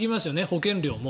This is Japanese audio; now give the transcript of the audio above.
保険料も。